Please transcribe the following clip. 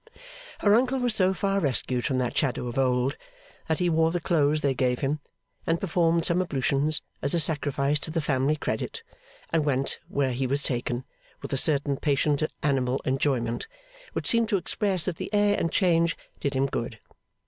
Her uncle was so far rescued from that shadow of old, that he wore the clothes they gave him, and performed some ablutions as a sacrifice to the family credit, and went where he was taken, with a certain patient animal enjoyment, which seemed to express that the air and change did him good.